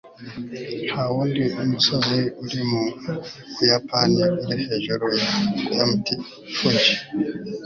nta wundi musozi uri mu buyapani uri hejuru ya mt. fuji